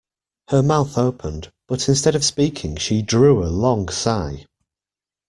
Her mouth opened, but instead of speaking she drew a long sigh.